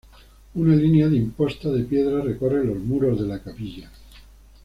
Una línea de imposta de piedra recorre los muros de la capilla.